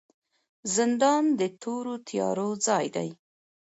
زندان د تورو تیارو ځای دی